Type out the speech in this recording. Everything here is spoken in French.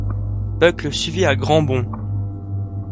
Buck le suivit à grands bonds.